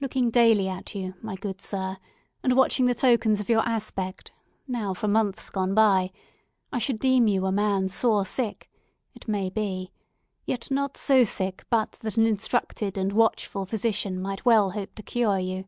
Looking daily at you, my good sir, and watching the tokens of your aspect now for months gone by, I should deem you a man sore sick, it may be, yet not so sick but that an instructed and watchful physician might well hope to cure you.